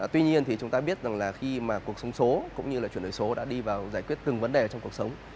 tuy nhiên thì chúng ta biết rằng là khi mà cuộc sống số cũng như là chuyển đổi số đã đi vào giải quyết từng vấn đề trong cuộc sống